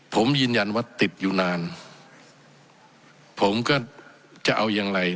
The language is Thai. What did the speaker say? ผมยืนยันว่าติดอยู่นานผมก็จะเอาอย่างไร